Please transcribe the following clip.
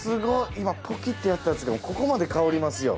今ポキッてやったやつでもここまで香りますよ。